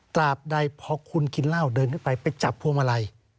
ตราบใดพอคุณกินเหล้าเดินขึ้นไปไปจับพวงมาลัย